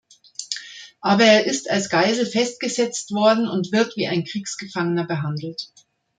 Aber er ist als Geisel festgesetzt worden und wird wie ein Kriegsgefangener behandelt.